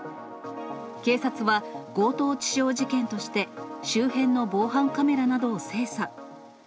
警察は、強盗致傷事件として、周辺の防犯カメラなどを精査。